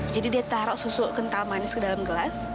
jadi dia taruh susu kental manis ke dalam gelas